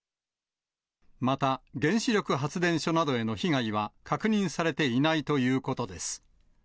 また原子力発電所などへの被害は確認されていないということです。